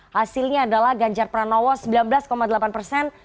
hasilnya adalah ganjar pranowo sembilan belas delapan persen